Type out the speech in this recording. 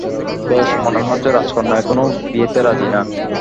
বেশ, মনে হচ্ছে রাজকন্যা এখনো বিয়েতে রাজি না।